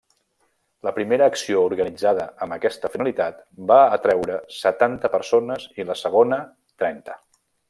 La primera acció organitzada amb aquesta finalitat va atreure setanta persones i la segona, trenta.